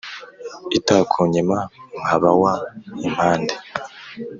itakunyima nkabawa impande